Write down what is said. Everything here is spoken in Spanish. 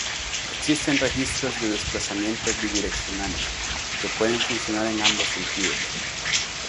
Existen registros de desplazamiento bidireccionales, que pueden funcionar en ambos sentidos.